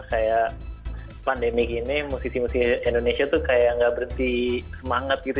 kayak pandemi gini musisi musisi indonesia tuh kayak gak berhenti semangat gitu